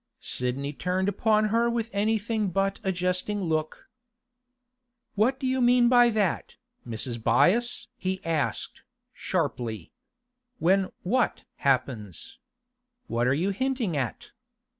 Sidney turned upon her with anything but a jesting look. 'What do you mean by that, Mrs. Byass?' he asked, sharply. 'When what happens? What are you hinting at?